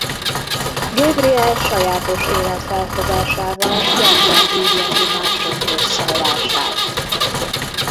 Gabrielle sajátos életfelfogásával gyakran vívja ki mások rosszallását.